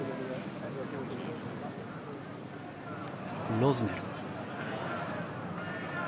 ロズネル。